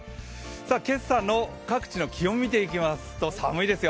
今朝の各地の気温を見ていきますと、寒いですよ。